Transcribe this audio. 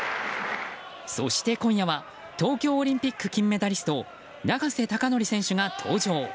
そして今夜は東京オリンピック金メダリスト永瀬貴規選手が登場。